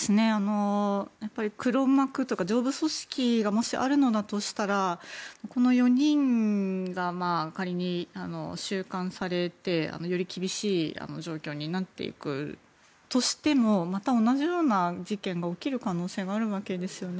黒幕というか上部組織がもしあるとしたらこの４人が仮に収監されてより厳しい状況になっていくとしてもまた同じような事件が起きる可能性があるわけですよね。